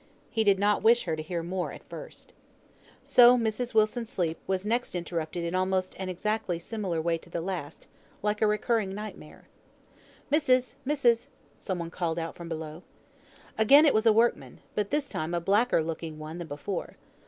He did not wish her to hear more at first. So Mrs. Wilson's sleep was next interrupted in almost an exactly similar way to the last, like a recurring nightmare. "Missis! missis!" some one called out from below. Again it was a workman, but this time a blacker looking one than before.